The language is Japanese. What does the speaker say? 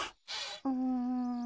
うん。